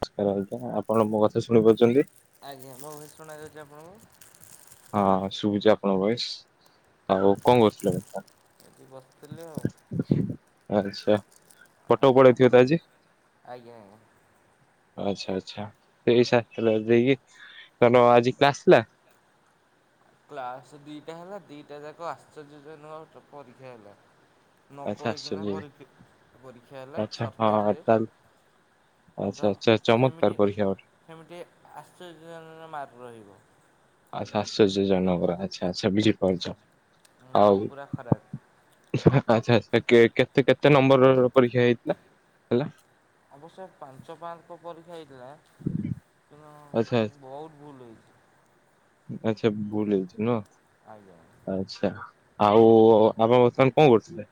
ନମସ୍କାର ଆଜ୍ଞା। ଆପଣ ମୋ କଥା ଶୁଣିପାରୁଚନ୍ତି? ଆଜ୍ଞା ମୋ ଭଏସ୍ ଶୁଣା ଯାଉଚି ଆପଣଙ୍କୁ? ହଁ ହଁ ଶୁଭୁଚି ଆପଣଙ୍କ ଭଏସ୍। ଆଉ କଣ କରୁଥିଲ ଏବେ? ଏଠି ବସିଥିଲି ଆଉ। ଆଚ୍ଛା କଟକ ଆପଣ ପଳେଇଥିବେ ତ ଆଜି? ଆଜ୍ଞା ଆଜ୍ଞା ଆଚ୍ଛା ଆଚ୍ଛା ଏଇ ସାତଟା ଦେଇକି ତମର ଆଜି କ୍ଲାସ ଥିଲା? କ୍ଲାସ ଦିଟା ହେଲା ଦିଟା ଯାକ ଆଶ୍ଚର୍ଯ୍ୟଜନକ ତ ପରୀକ୍ଷା ହେଲା। ନ ଆଚ୍ଛା କହିକିନା ଆଶ୍ଚର୍ଯ୍ୟ ପରୀକ୍ ପରୀକ୍ଷା ହେଲା ଆଚ୍ଛା ସର୍ପାଇଜ ହଁ ଟେଷ୍ଟ। ତାହେଲେ ତ ଆଚ୍ଛା ଆଛା ସେମିତି ଚମତ୍କାର ପରୀକ୍ଷା ଗୋଟେ। ସେମିତି ଆଶ୍ଚର୍ଯ୍ୟଜନକ ମାର୍କ୍ ମିଳିବ। ଆଛା ଆଶ୍ଚର୍ଯ୍ୟଜନକର ଆଛା ଆଛା ବୁଝିପାରୁଚ। ହଁ ପୁରା ଖରାପ୍। ଆଚ୍ଛା ଆଚ୍ଛା କେ-କେତେ କେତେ ନମ୍ବର ପରୀକ୍ଷା ହେଇଥିଲା ହେଲା? ଅବଶ୍ୟ ପାଞ୍ଚ ମାର୍କ ପରୀକ୍ଷା ହେଇଥିଲା ଆଚ୍ଛା କିନ୍ତୁ ଆଚ୍ଛା ବହୁତ ଭୁଲ ହେଇଚି। ଆଚ୍ଛା ଭୁଲ ହେଇଚି ନୁହଁ। ଆଜ୍ଞା। ଆଚ୍ଛା ଆଉ ଆପଣ ବର୍ତ୍ତମାନ କଣ କରୁଥିଲେ?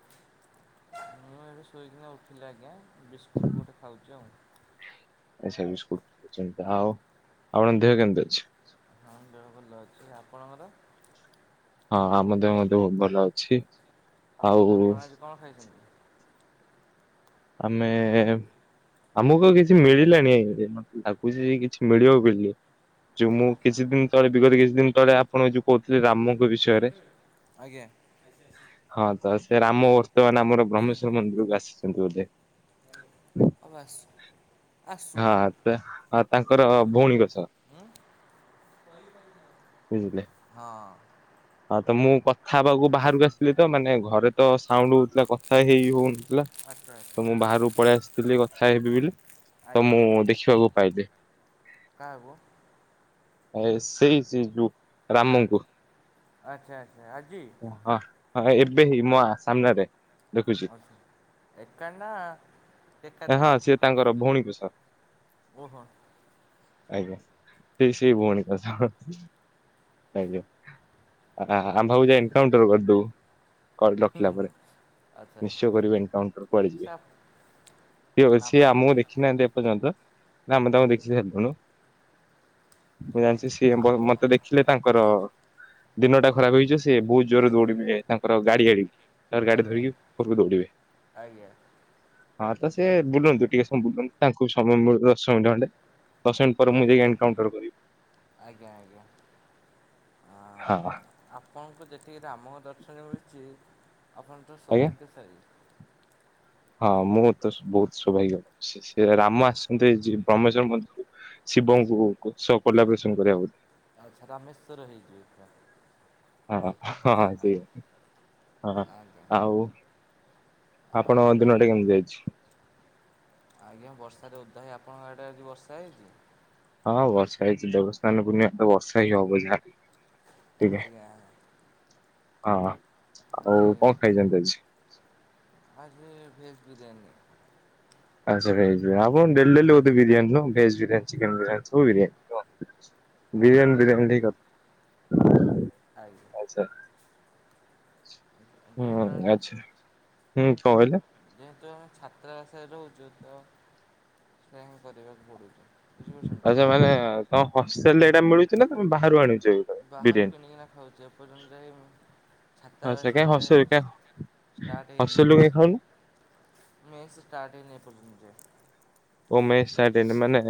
ମୁଁ ଏବେ ସୋଇକିନା ଉଠଲି ଆଜ୍ଞା ବିସ୍କୁଟ୍ ଗୋଟେ ଖାଉଚି ଆଉ। ଆଛା ବିସ୍କୁଟ ଖାଉଚନ୍ତି। ଆଉ ଆପଣଙ୍କ ଦେହ କେମିତି ଅଛି? ହଁ ଦେହ ଭଲ ଅଛି। ଆପଣଙ୍କର? ହଁ ଆମ ଦେହ ମଧ୍ୟ ବହୁତ୍ ଭଲ ଅଛି। ଆଉ ଆପଣ ଆଜି କଣ ଖାଇଛନ୍ତି? ଆମେ ଆମକୁ ଆଉ କିଛି ମିଳିଲାଣି ଆଜ୍ଞ ଲାଗୁଚି ଆଜି କିଛି ମିଳିବ ବୋଲି। ଯୋ ମୁଁ ଆଚ୍ଛା। କିଛି ଦିନି ତଳେ ବିଗତ କିଛି ଦିନ ତଳେ ଆପଣ ଯୋ କହୁଥିଲେ ରାମଙ୍କ ବିଷୟରେ। ଆଜ୍ଞା। ହଁ ତ ସେରାମ ବର୍ତ୍ତମାନ ଆମର କି ବ୍ରହ୍ମେଶ୍ଵର ମନ୍ଦିରକୁ ଆସିଛନ୍ତି ବୋଧେ। ଅବ୍ ଆସୁ ଆସୁ ଉଁ ହଁ ତ ତାଙ୍କର ଭଉଣୀଙ୍କ ସହ। ହଁ। ବୁଝିଲେ? ହଁ। ହଁ ତ ମୁଁ କଥା ହେବାକୁ ବାହାରକୁ ଆସଥିଲିତ ମାନେ ଘରେତ ସାଉଣ୍ଡ ହଉଥିଲା କଥା ହେଇ ହଉନଥିଲା। ଆଚ୍ଛା ତ ମୁଁ ବାହାରକୁ ପଳେଇ ଆସିଥିଲି କଥା ହେବି ବୋଲି ତ ଆଜ୍ଞା ମୁଁ ଦେଖିବାକୁ ପାଇଲି। କାହାକୁ? ଏ ସେଇ ସେଯୋଉ ରାମଙ୍କୁ। ଆଚ୍ଛା ଆଚ୍ଛା ଆଜି? ହଁ ହଁ ଏବେହିଁ ମୋ ସାମ୍ନାରେ। ଦେଖୁଛି ହଁ ସିଏ [unintelligible] ତାଙ୍କର ଭଉଣୀଙ୍କ ସହ। ଓହୋ। ଆଜ୍ଞା ସେଇ ସେଇ ଭଉଣୀଙ୍କ ସହ ଆଜ୍ଞା। ଆଚ୍ଛା [unintelligible] କରିଦଉ କରିରଖିଲା ପରେ ଆଚ୍ଛା। ନିଶ୍ଚୟ କରିବେ ଏନକାଣ୍ଟର କୁଆଡ଼େ ସେ ଯିବେ। କି ସିଏ ଆପଣ ଆମକୁ ଦେଖିନାହାନ୍ତି ଏପର୍ଯ୍ୟନ୍ତ? ନା ଆମେ ତାଙ୍କୁ ଦେଖିକି ଛାଡ଼ିଦେନୁ ମୁଁ ଜାଣିଛି ସିଏ ଆପଣ ମତେ ଦେ ଦେଖିଲେ ତାଙ୍କର ଦିନଟା ଖରାପ୍ ଫାଟିଗଲା ହେଇଯିବ ସେବହୁତ୍ ଜୋରରେ ଆଜ୍ଞା ଦୌଡିଲେ ତାଙ୍କର ଗାଡ଼ିଆଡ଼ିକି। ତାପରେ ଗାଡ଼ି ଆଜ୍ଞା ଧରିକି ଘରକୁ ଦୌଡ଼ିବେ। ଆଜ୍ଞା। ହଁ ତ ସିଏ ବୁଲନ୍ତୁ ଟିକେ ସମୟ ବୁଲନ୍ତୁ ତାଙ୍କୁ ସମୟ ମିଳୁ ଦଶ ମିନିଟ୍ ଖଣ୍ଡେ। ଦଶ ମିନିଟ୍ ପରେ ଆ ମୁଁ ଯାଇକି ଏନକାଉଣ୍ଟର କରିବି। ଆଜ୍ଞା ଆଜ୍ଞା ହଁ ଆପଣଙ୍କୁ ଦେ [unintelligible] ରାମଙ୍କ ଦର୍ଶନ ମିଳୁଚି ଆପଣତ ଆଜ୍ଞା। ସୌଭାଗ୍ୟଶାଳୀ। ହଁ ମୁଁତ ବହୁତ୍ ସୌଭାଗ୍ୟ ସେ ସେରାମ ଆସିଛନ୍ତି ଆଜି ବ୍ରହ୍ମେଶ୍ଵର ମନ୍ଦିରକୁ ଶିବଙ୍କୁ କୁସ କୋଲାବ୍ରେସନ କରିବା ବୋଲି ଆଚ୍ଛା ରାମେଶ୍ବର ହେଇଯିବେ ଏକା। ହଁ ହଁ ସେଇଆ ହଁ ଆଜ୍ଞା ଆଉ। ଆଉ ଆପଣଙ୍କ ଆପ- ଦିନଟା କେମିତି ଯାଇଚି? ଆଜ୍ଞା ବର୍ଷାରେ ଓଦ୍ଧା ହେଇ ଆପଣଙ୍କ ଆଡ଼େ ଆଜି ବର୍ଷା ହେଇଚି? ହଁ ବର୍ଷା ହେଇଚି ଦେବସ୍ନାନ ପୁର୍ଣିମାରେ ବର୍ଷାହିଁ ହବ ଯାହାହେଲେ ଟିକେ। ଆଜ୍ଞା ହଁ। ଆଉ କଣ ଖାଇଛନ୍ତି ଆଜି ଭେଜ୍ ବିରିୟାନୀ। ଆଜି ଭେଜ୍ ବିରିୟାନି ଆପଣ ଡେଲି ଡେଲି ବୋଧେ ବିରିୟାନି ନୁହଁ ଭେଜ୍ ବିରିୟାନି ଚିକେନ ବିରିୟାନି ସବୁ ବିରିୟାନି ନୁହଁ। [inaudible] ଟିକେ ବିରିୟାନୀ [unintelligible] ଆଜ୍ଞା। ଆଚ୍ଛା ହୁଁ ଯେହେତୁ ଆମେ ଆଚ୍ଛା ହୁଁ କଣ କହିଲେ? ଯେହେତୁ ଆମେ ଛାତ୍ର ବାସାରେ ରହୁଛୁ ତ ସେଇଆ ହଁ କରିବାକୁ ପଡ଼ୁଚି। ଆଚ୍ଛା ମାନେ ତମ ହଷ୍ଟେଲରେ ଏଇଟା ମିଳୁଚିନା ତମେ ବାହାରୁ ଆଣୁଚ? ବାହାରୁ କିଣିକିନା ଖାଉଚି ଏପର୍ଯ୍ୟନ୍ତ ଯାଇ ମୁଁ ଛାତା ଆଚ୍ଛା କାଇଁ ବେସରେ ହଷ୍ଟେଲ କାଇଁ ଷ୍ଟାର୍ଟ ହେଇନି ହଷ୍ଟେଲରୁ ମେସ୍ କାଇଁ ଖାଉନୁ? ରେ ମେସ୍ ଷ୍ଟାର୍ଟ ହେଇନ ଏପର୍ଯ୍ୟନ୍ତେଯେ ଓ ମେସ୍ ଷ୍ଟାର୍ଟ ହେଇନି ମାନେ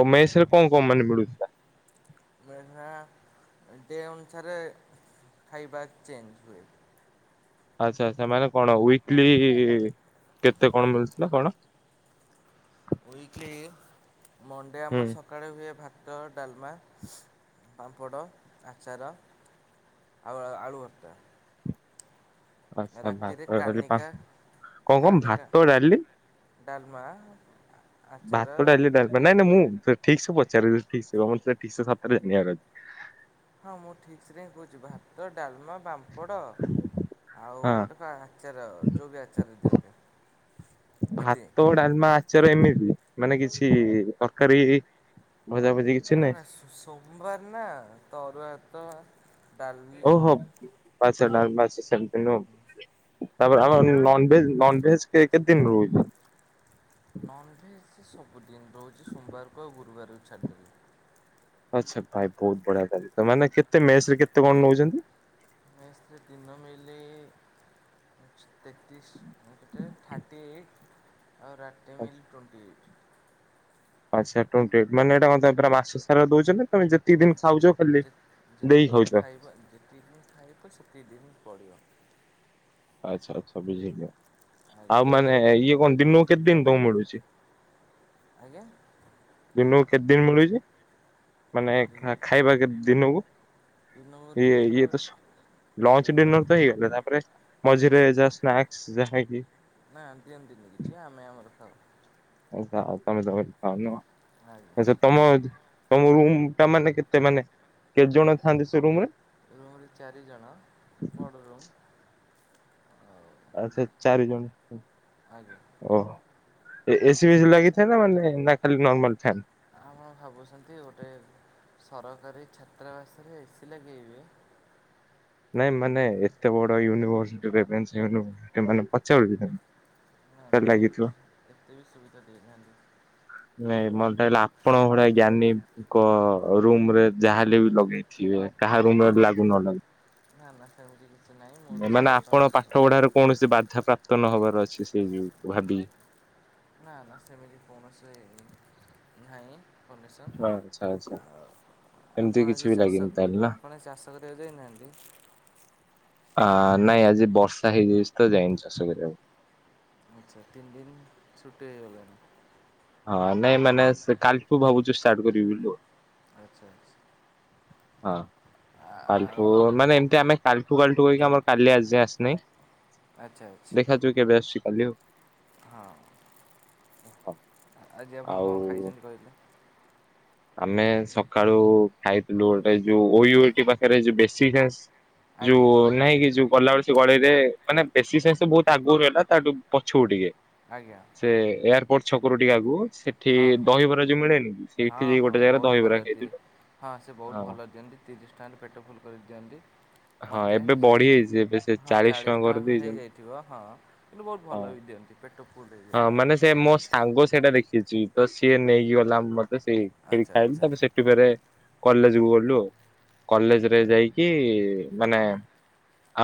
ଓ ମେଶେରେ କଣ କଣ ମାନେ ମିଳୁଚି? [unintelligible] ଡେ ଅନୁସାରେ ଖାଇବା ଚେଞ୍ଜ ହୁଏ। ଆଚ୍ଛା ଆଚ୍ଛା। ମାନେ କଣ ୱିକଲି କେତେ କଣ ମିଳୁଚି ନା କଣ? ୱିକଲି ମଣ୍ଡେ ହୁଁ ଆମର ସ ସକାଳେ ହୁଏ ଭାତ, ଡାଲମା, ପାମ୍ପଡ଼, ଆଚାର ଆଉ ଆଳୁ ଆଳୁ ଭର୍ତା। ଆଚ୍ଛା ରାତି ରେ ଭାତ ଡାଲି ପା କାନିକ, କଣ କଣ କାନିକା ଭାତ ଡାଲି ଡାଲମା ଆଚାର ଭାତ ଡ଼ାଲି ଡାଲମା ନାଇଁ ନାଇଁ ମୁଁ ଠିକ୍ ସେ ପଚାରି ଠିକ୍ ସେ ଠିକ୍ ସେ ସତରେ ଜାଣିବାର ଅଛି। ହଁ ମୁଁ ଠିକ୍ ରେ କହୁଛି ଭାତ, ଡାଲମା, ପାମ୍ପଡ଼ ଆଉ ହଁ ଗୋଟେ ପା ଆଚାର ଯଉ ବି ଆଚାର ଦିଅନ୍ତି। ଏତିକି ଭାତ ଡାଲମା ଆଚାର ଏମିତି। ମାନେ କିଛି ତରକାରୀ ଭଜା ଭଜି କି ନା ନା ସୋ ସୋମବାର ନା ତ ଅରୁଆ ଭାତ ଡାଲି ଓହୋ। ଆଚ୍ଛା ଆଁ, ଡାଲମା ସେ ସେମତି ନୁହଁ। ତାପରେ ଆଜ୍ଞା ଆମର ନନଭେଜ୍ ନନଭେଜ୍ କେ କେତେ ଦିନ୍ ରହୁଚି? ନନ୍ଭେଜ୍ ସେ ସବୁଦିନ ଦଉଚି ସୋମବାରକୁ ଆଉ ଗୁରୁବାରକୁ ଛାଡ଼ିଦେଲେ। ଆଚ୍ଛା ଭାଇ ବହୁତ ବଢିଆ ତାହେଲେ। ମାନେ କେତେ ମେସ୍ ରେ କେତେ କଣ ନଉଛନ୍ତି? ମେସ୍ ରେ ଦିନ ମିଲି ତେତିଶ୍ [unintelligible] ଥାର୍ଟି ଏଇଟ୍ ଆଉ ରାତିରେ ମିିଲ୍ ଟ୍ୱେଣ୍ଟି ଏଇଟ୍। ଆଚ୍ଛା ଟ୍ବେଣ୍ଟି ଏଇଟ୍ ମାନେ ଏଟା କଣ ତମେ ମାସ ସାରା ଦଉଚ ନା ତମେ ଯେତିକି ଦିନି ଖାଉଚ ଯେ ଯେତିକି ଦିନି ଖାଇବ ଯେତିକି ଦିନି ଖାଇବ ସେତିକି ଦିନି ପଡ଼ିବ। ଆଚ୍ଛା ଆଚ୍ଛା ବୁଝିଲି। ଆଜ୍ଞା ଆଉ ମାନେ ଇଏ କଣ ଦିନକୁ କେତେ ଦିନ୍ ତମକୁ ମିଳୁଚି? ଆଜ୍ଞା। ଦିନକୁ କେତେ ଦିନ ମିଳୁଚି? ମାନେ ଖାଇବା କେ ଦିନକୁ? ଦିନକୁ ଇଏ ଦୁଇଥର ଇଏ ତ ସୋ ଲଞ୍ଚ ଡିନର ତ ହେଇଗଲା। ତାପରେ ମଝିରେ ଯାହା ସ୍ନାକ୍ସ ଯାହା ଖାଇଦିଏ। ନା ଦିଅନ୍ତିନି କିଛି ଆମେ ଆମର ଖାଉ। [unintelligible] [unintelligible] ଆଚ୍ଛା ତମ ତମ ରୁମ୍ ଟା ମାନେ କେତେ ମାନେ କେତେ ଜଣ ଥାନ୍ତି ସେ ରୁମ୍ ରେ? ରୁମ୍ ରେ ଚାରି ଜଣ। ବଡ଼ ରୁମ୍। ଆଉ ଆଚ୍ଛା ଚାରି ଜଣ। ଆଜ୍ଞା। ଓହୋ। ଏ ଏସି ଫେସି ଲାଗିଥାଏ ନା ମାନେ ନା ଖାଲି ନର୍ମାଲ ଫ୍ୟାନ୍? ଆପଣ ଭାବୁଛନ୍ତି ଗୋଟେ ସରକାରୀ ଛାତ୍ରାବାସରେ ଏସି ଲଗେଇବେ। ନାଇଁ ମାନେ ଏତେ ବଡ ୟୁନିଭର୍ସସିଟି ରେଭେନ୍ସା ୟୁନିଭର୍ସସିଟି ମାନେ ପଚାରୁଚି। [unintelligible] ନା ନାଇଁ, ଏତେ ବି ସୁବିଧା ଦେଇନାହାନ୍ତି। ନାଇଁ ମତେ ଲାଗିଲା ଆପଣଙ୍କ ଭଳିଆ ଜ୍ଞାନୀଙ୍କ ରୁମ୍ ରେ ଯାହା ହେଲେ ବି ଲଗେଇ ଥିବେ। କାହା ରୁମ୍ ରେ ନା ଲାଗୁ ନ ଲାଗୁ। ନା ନା ସେମିତି କିଛି ନାହିଁ। ମୁଁ ବି ମାନେ ସମସ୍ତଙ୍କ ଆପଣ ପାଠ ସହିତ ସମାନ। ପଢାରେ କୌଣସି ବାଧା ପ୍ରାପ୍ତ ନହବାର ଅଛି ସେଇ ଯୋଗୁଁ ଭାବିଲି। ନା ନା ସେମିତି କୌଣସି ନାହିଁ ପରମିଶନ୍। ଆଚ୍ଛା ଆଚ୍ଛା ଆଉ, ଏମିତି ଆପଣ କିଛି ଆଜି ବି ଚାଷ ଲାଗିନି ତାହେଲେ ନା? ଆପଣ ଚାଷ କରିବାକୁ ଯାଇନାହାନ୍ତି? ଆ ନାଇଁ ଆଜି ବର୍ଷା ହେଇଯାଇଚି ତ ଯାଇନି ଚାଷ କରିବାକୁ। ଆଚ୍ଛା ତିନ୍ ଦିନ୍ ଛୁଟି ହେଇଗଲାଣି। ହଁ ନାଇଁ ମାନେ ସେ କାଲିଠୁ ଭାବୁଚି ଷ୍ଟାର୍ଟ କରିବି ବୋଲି ଆଉ। ଆଚ୍ଛା। ହଁ ଆ- ଆଉ କାଲିଠୁ ମାନେ ଏମତି ଆମେ କାଲିଠୁ କାଲିଠୁ କହିକି ଆମର କାଲି ଆଜି ଯାଏ ଆସିନି। ଆଚ୍ଛା ଆଚ୍ଛା ଦେଖାଯାଉ କେବେ ଆସୁଚି କାଲି ଆଉ। ହଁ। ହଁ ଆଜି ଆପଣ କଣ ଆଉ ଖାଇଛନ୍ତି କହିଲେ? ଆମେ ସକାଳୁ ଖାଇଥିଲୁ ଗୋଟେ ଓ ଇଉ ଟି ପାଖରେ ଯୋ ବେଶୀ ଖା ଯଉ ଆଜ୍ଞା ନହିଁ କି ଯୋ ଗଲାବେଳେ ସେ ଗଳିରେ ମାନେ ବେଶୀ ସେସ୍ ବୋହୁତ୍ ଆଗକୁ ରହିଲା ତାଠୁ ପଛକୁ ଟିକେ। ଆଜ୍ଞା। ସେ ଏୟାରପୋର୍ଟ ଛକରୁ ଟିକେ ଆଗକୁ ସେଠି ହଁ ହଁ ଦହିବରା ଯୋଉ ମିଳେନି, ସେଇଠ ହଁ ହଁ, ବୋହୁତ୍ ଭଲ ଦିଏ। ହଁ ସେ ବୋହୁତ୍ ଭଲ ଦିଅନ୍ତି। ତିରିଶ ଟାଣ୍ଡ ପେଟ ଫୁଲ୍ କରିିକି ଦିଅନ୍ତି ହଁ ମୋତେ ଏବେ ସେ ବଢି ସେ, ଯାଇଛି ଏବେ ସେ ହଁ ଚାଳିଶ ଚାଳିସି ଟଙ୍କା କରିଦେଇଛନ୍ତି ହେଇଯାଇଥିବ, ହଁ କିନ୍ତୁ ବୋହୁତ୍ ହଁ। ଭଲ ବି ଦିଅନ୍ତି। ପେଟଫୁଲ୍ ହେ ହଁ ମାନେ ସେ ମୋ ସାଙ୍ଗ ସେଇଟା ଦେଖିଛି, ତ ସିଏ ନେଇକି ଗଲା ମ ତ ସେଇ, ସେଇଠି ଆଚ୍ଛା ଖାଇଲୁ ଆଚ୍ଛା। ତା ପରେ ସେ ସେଠି ଫେରେ କଲେଜ କୁ ଗଲୁ। କଲେଯେ ରେ ଯାଇକି ମାନେ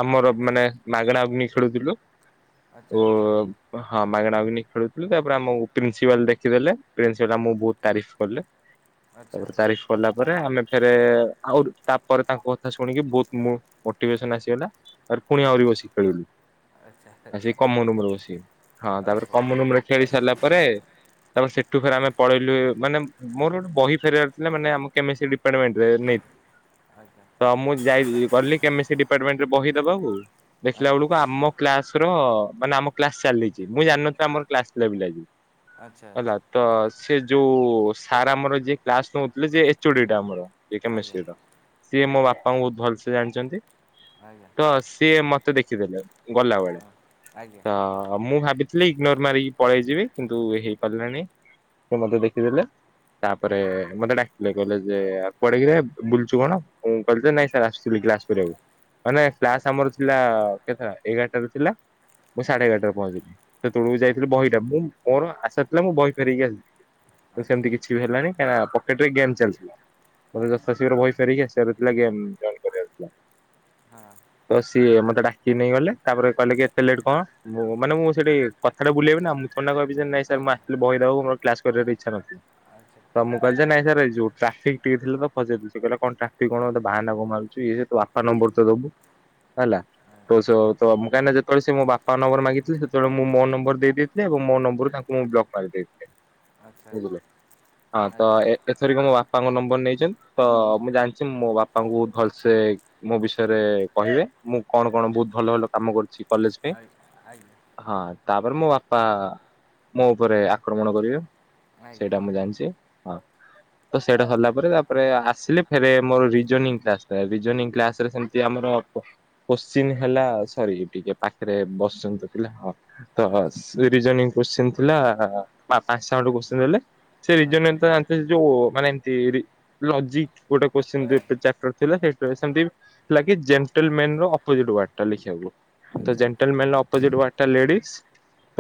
ଆମର ମାନେ ମାଗଣା ଅଗ୍ନି ଶୁଳୁଥିଲୁ। ଆଚ୍ଛା ଓ ଆଚ୍ଛା ହଁ ମାଗଣା ଅଗ୍ନି ଖେୁଥିଲୁ, ତାପରେ ପ୍ରିନ୍ସିପାଲ୍ ଦେଖିଦେଲେ। ପ୍ରିନ୍ସିପାଲ୍ ଆମକୁ ବୋହୁତ୍ ତାରିଫ୍ କଲେ। ଆଚ୍ଛା ତାପରେ ଆଚ୍ଛା। ତାରିଫ୍ କଲା ପରେ ଆମେ ଫେରେ ଆଉ ତାପରେ ତାଙ୍କ କଥା ଶୁଣିକି ବୋହୁତ୍ ମୋ- ମୋଟିଭେସନ ଆସିଗଲା। ତା ଫୁଣି ଆଜ୍ଞା। ଆହୁରି ବସିକି ଖେଳିଲୁ। ଆଚ୍ଛା ଆଚ୍ଛା ଆସିକି କମନ ରୁମ୍ ରେ ବସିକି ଖେଳିଲୁ। ହଁ ତାପରେ ଓହୋ କମନ୍ ରୁମ୍ ରେ ଖେଳି ସାରିଲା ପରେ, ତାପରେ ସେଠୁ ଫେରେ ଆମେ ପଳେଇଲୁ ମାନେ- ମୋର ଗୋଟେ ବହି ଫେରାଇ ବାର ଥିଲା, ମାନେ ଆମ କେମେଷ୍ଟ୍ରି ଡିପାର୍ଟମେଣ୍ଟରେ ନେଇ ଆଛା। ତ ମୁଁ ଯାଇ ଗଲି କେମେଷ୍ଟ୍ରି ଡିପାର୍ଟମେଣ୍ଟ ରେ ବହି ଦବାକୂ, ଦେଖିଲା ଆଜ୍ଞା ବେଳକୁ ଆମ କ୍ଲାସ୍ ର ମାନେ ଆମ କ୍ଲାସ୍ ଚାଲିଛି। ମୁଁ ଜାଣି ନଥିଲି ଆମର କ୍ଲାସ୍ ଥିଲା ବୋଲି ଆଜି, ଆଚ୍ଛା ହେଲା। ତ ସେ ଯୋଉ ସାର୍ ଆମର ଯିଏ କ୍ଲାସ୍ ନୋଉଥିଲେ ଯେ ଏଚୋଡି ଟା ଆମର। ସେ ଆଚ୍ଛା କେମେଷ୍ଟ୍ରି ର, ସିଏ ମୋ ବାପା ଙ୍କୁ ବୋହୁତ୍ ଭଲସେ ଜାଣିଛନ୍ତି। ଆଜ୍ଞା। ତ ସିଏ ମତେ ଦେଖିଦେଲେ ଗଲାବେଳେ। ହଁ ଆଜ୍ଞା। ହ ମୁଁ ଭାବିଥିଲି ଇଗ୍ନୋର ମାରିକି ପଳେଇଯିବି, କିନ୍ତୁ ହେଇପାରିଲାନି। ସେ ମତେ ଦେଖିଦେଲେ। ତାପରେ ଆଜ୍ଞା ମତେ ଡାକିଥିଲେ। କହିଲେ ଯେ ଆଉ କୁଆଡେ କିରେ ବୁଲଚୁ କଣ? ମୁଁ କହିଲି ଯେ ନାଇଁ ସାର୍ ଆସିଥିଲି କ୍ଲା କରିବାକୁ। ମାନେ ଏ କ୍ଲାସ୍ ଆମର ଥିଲା, କେତଟା ଏଗାରଟାରେ ଥିଲା। ମୁଁ ସାଢେ ଏଗାରଟାରେ ପହଞ୍ଚିଲି। ସେତେଳକୁ ଆଚ୍ଛା ଯାଇଥିଲି ବହିଟା, ମୁଁ ମୋର ଆଶା ଥିଲା ମୁଁ ବହି ଫେରେଇକି ଆସିବି। ତ ଆଚ୍ଛା ସେମିତି କିଛି ବି ହେଲା ନି। କାନା ପକେଟ୍ ରେ ଗେମ୍ ଚାଲି ଥିଲା। ମୋତେ ଆଚ୍ଛା ଜଶା ଶିଘ୍ର ବହି ଫେରେଇକି ଆସିବାରଥିଲା ଗେମ୍ [unintelligible] ଥିଲା ହଁ। ତ ସିଏ ମତେ ଡାକିକି ନେଇ ଗଲେ। ତାପରେ କହିଲେ କି ଏତେ ଲେଟ୍ କଣ? ମୁଁ ମାନେ ମୁଁ ସେଠି କଥାଟା ବୁଲେ ବିନା, ମୁଁ ଥୋଡି ନା କହିବି ଯେ ନାଇଁ ସାର୍ ମୁଁ ଆଜ୍ଞା ଆସି ଥିଲି ବହି ଦବାକୁ। କ୍ଲାସ୍ କରିବାର ଇଚ୍ଛା ନଥିଲା। ଆଚ୍ଛା ତ ହଁ ମୁଁ କହିଲି ଯେ ନାଇ ସାର୍, ଯୋଉ ଟ୍ରାଫିକ୍ ଟିକେ ଥିଲା ତ ଫଶି ଯାଇଥିଲି। ସେ କହିଲା କଣ ଟ୍ରାଫିକ୍ କଣ ମୋତେ ବାହାନା କଣ ମାରୁଛୁ ଇଏ ତୋ ବା ପା ନମ୍ବର ତ ଦବୁ। ହେଲା ତୋ ସହ ଆଚ୍ଛା କାଁହିନା ଯେତବେଳେ ସେ ମୋ ବା ପା ନମ୍ବର ମାଗିଥିଲେ ସେତେବେଳେ ମୁଁ ମୋ ନମ୍ବର ଦେଇ ଦେଇଥିଲି। ଏବଂ ମୋ ନମ୍ବରରୁ ତାଙ୍କୁ ମୁଁ ବ୍ଲକ୍ ମାରି ଦେଇଥିଲି। ଆଚ୍ଛା ବୁଝିଲ। ହଁ ତ ଆଜ୍ଞା। ଏଥରିକ ମୋ ବାପାଙ୍କ ନମ୍ବର ନେଇଛନ୍ତି। ତ ମୁଁ ଜାଣିଛି ମୋ ବାପାଙ୍କୁ ବୋହୁତ୍ ଭଲ୍ସେ ମୋ ବିଷୟରେ କହିବେ। ମୁଁ କଣ କଣ, ବୋହୁତ୍ ଭଲ, ଭଲ କାମ କରିଛି କଲେଜ ପାଇଁ। ଆଇ ଆଇ। ହଁ ତାପରେ ମୋ ବାପା ମୋ ଉପରେ ଆକ୍ରମଣ କରିବେ। ଆଜ୍ଞା। ସେଇଟା ମୁଁ ଜାଣିଛି। ହଁ। ତ ସେଇଟା ସାରିଲା ପରେ, ତାପରେ ଆସିଲେ ଫେରେ ମୋର ରୀଜନିଂ କ୍ଲାସ୍ ଥାଏ। ରୀଜନିଂ କ୍ଲାସ୍ ରେ ସେ ଟି ଆମର ଅଳ୍ପ କୋଶ୍ଚିିନ ହେଲା ସରି ଟିକେ ପାଖରେ ବସିଛନ୍ତି ତ ପିଲା, ହଁ। ତ ଆଚ୍ଛା ରିଜନିଂ କୋଶ୍ଚିିନ ଥିଲା ପାଞ୍ଚ ଟା ଖଣ୍ଡେ କୋଶ୍ଚିିନ ଦେଲେ ସେ ଆଜ୍ଞା ରିଜନିଂ ଯୋଉ ମାନେ ଏମିତି ଲଜିକ ଗୋଟେ କୋଶ୍ଚିିନ ଆଜ୍ଞା ଚାପ୍ଟର ଥିଲା ସେ ସେମତି ଲାଗି ଜେଣ୍ଟଲ ମେନ ର ଅପୋଜିଟ୍ ୱାଡ ଟା ଲେଖିବାକୁ ଆଚ୍ଛା ଆଚ୍ଛା। ମେଲର ଅପୋଜିଟ୍ ୱାର୍ଡ ଟା ଲେଡିସ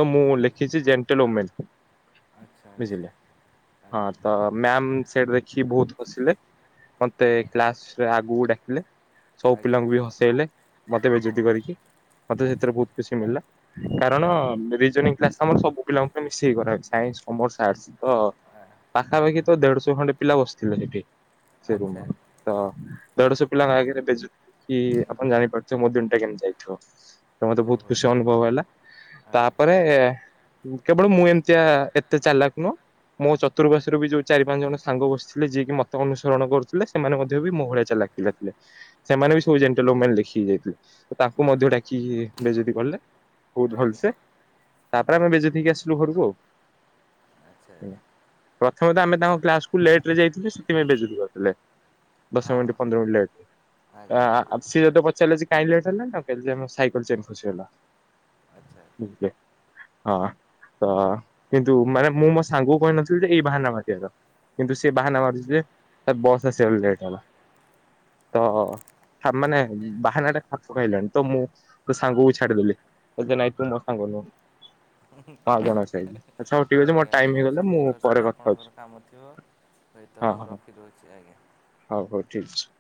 ତ ମୁଁ ଆ ଲେଖିଛି ଜେଣ୍ଟଲ ଓମେନ। ଆଚ୍ଛା ଆଚ୍ଛା। ବୁଝିଲେ ହଁ ଆଜ୍ଞା ତ ମ୍ୟାମ ସେଠି ଦେଖିକି ବହୁତ ହସିଲେ। ମତେ କ୍ଲାସରେ ଆଗକୁ ଡାକିଲେ। ସବୁ ଆଜ୍ଞା ଆଜ୍ଞା ପିଲାଙ୍କୁ ବି ହସେଇଲେ ମତେ ହଁ ବେଜୁତି କରିକି ମତେ ସେଥିରେ ଆଚ୍ଛା। ବହୁତ ଖୁସି ମିଳିଲା। କାରଣ ରିଜନିଂ କ୍ଲାସ ଆମର ସବୁ ପିଲାଙ୍କ ମିଶିକି କରାହେଉଛି ସାଇନ୍ସ କମର୍ସ ଆର୍ଟସ। ତ ଆ ପାଖାପାଖି ତ ଦେଢଶହ ଖଣ୍ଡେ ପିଲା ବସିଥିବେ ସେଠି ସେ ଆଚ୍ଛା। ରୁମ। ତ ଦେଢଶହ ପିଲାଙ୍କ ଆଗରେ ବେଜୁତି ଆପଣ ଜାଣିପାରୁଥିବେ ମୋ ଦିନ ଟା କେମିତି ଯାଇଥିବ। ତ ମତେ ବହୁତ ଓହୋ ଖୁସି ଅନୁଭବ ହେଲା ଆଜ୍ଞା। ତାପରେ କେବଳ ମୁଁ ଏମିତିଆ ଏତେ ଚାଲାକ ନୁହଁ ମୋ ଚତୁଃପାର୍ଶରେ ବି ଯୋଉ ଚାରି ପାଞ୍ଚ ଜଣ ସାଙ୍ଗ ବସିଥିଲେ ଯିଏକି ମତ ଅନୁସରଣ କରୁଥିଲେ ସେମାନେ ମଧ୍ୟ ବି ମୋ ଭଳିଆ ଚାଲାକ ପିଲା ଥିଲେ ସେମାନେ ବି ଆଚ୍ଛା ସବୁ ଜେଣ୍ଟଲ ଓମେନ ଲେଖିକି ଯାଇଥିଲେ ତାଙ୍କୁ ମଧ୍ୟ ଆଚ୍ଛା ଡାକି କି ବେଜୁତୀ କଲେ ବହୁତ ଆଜ୍ଞା। ଭଲସେ। ତାପରେ ଆମେ ବେଜତି ହେଇକି ଆସିଲୁ ଘରକୁ। ଆଚ୍ଛା। ଆଜ୍ଞା ପ୍ରଥମେ ତ ଆମେ ତାଙ୍କ କ୍ଲାସକୁୁ ଲେଟ ରେ ଯାଇଥିଲୁ ସେଥିପାଇଁ ବେଜୁୁତି କରିଥିଲେ। ଦଶ ହଁ ମିନିଟ୍ ପନ୍ଦର ମିନିଟ୍ ଲେଟ ଆଜ୍ଞା। ଆ ସିଏ ଯେତେ ପଚାରିଲେ କାଇହିଁ ଲେଟ୍ ହେଲାନା ସାଇକେଲ ଚେନ ଖସି ଗଲା। ଆଚ୍ଛା। ହଁ ତ କିନ୍ତୁ ମାନେ ମୁଁ ମୋ ସାଙ୍ଗକୁ କହିନଥିଲି ଯେ ଏଇ ବାହାନା ମାରିବାର। କିନ୍ତୁ ସେ ବାହାନା ମାରୁଛି ଯେ ବସ୍ ଆସିବାର ଲେଟ୍ ହେଲା। ତ ଆମାନେ ବାହାନାଟା ଖାପ ଖାଇଲାନି ତ ମୁଁ ତ ସାଙ୍ଗକୁ ଛାଡିଦେଲି ଲାଇ ତୁ [unintelligible] ମୋ ସାଙ୍ଗ ନୁହଁ ହଁ ଆଉ କଣ ଅଛି ଆଛା ହଉ ଠିକ ଅଛି ମୋର ଆଜ୍ଞା ଟାଇମ ଆପଣ ହେଇଗଲେ ମୁଁ ସଠିକ୍ ପରେ କଥା ହଉଛି। [unintelligible] ତ ହଁ ମୁଁ ହଁ ରଖିଦଉଛି ଆଜ୍ଞା। ହଉ ହଉ ଠିକ ଅଛି।